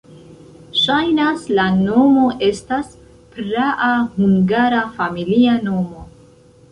Ŝajnas, la nomo estas praa hungara familia nomo.